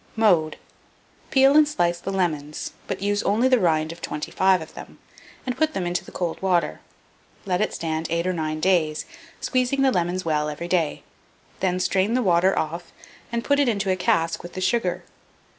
Mode. Peel and slice the lemons, but use only the rind of 25 of them, and put them into the cold water. Let it stand 8 or 9 days, squeezing the lemons well every day; then strain the water off and put it into a cask with the sugar.